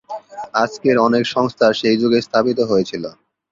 আজকের অনেক সংস্থা সেই যুগে স্থাপিত হয়েছিল।